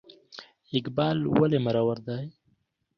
اقبال ولې مرور دی ؟